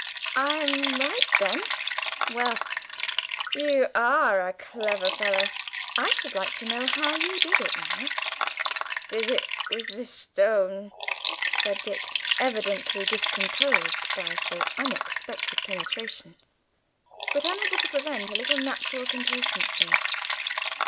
"I am right, then? Well, you are a clever fellow. I should like to know how you did it, now?" "Did it with the Shtone," said Dick, evidently discomposed by such unexpected penetration, but unable to prevent a little natural complacency.